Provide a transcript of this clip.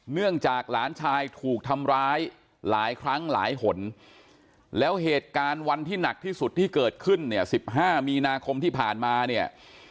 เนื่องจากหลานชายถูกทำร้ายหลายครั้งหลายหนแล้วเหตุการณ์วันที่หนักที่สุดที่เกิดขึ้นเนี่ย๑๕มีนาคมที่ผ่านมาเนี่ย